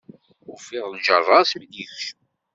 Ufiɣ lǧerra-s mi d-yekcem.